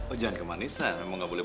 oh jangan kemanisan emang gak boleh